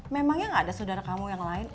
memangnya gak ada saudara kamu yang lain